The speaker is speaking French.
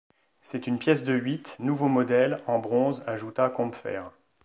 C’est une pièce de huit, nouveau modèle, en bronze, ajouta Combeferre.